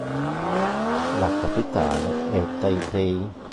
La capitale è Taipei.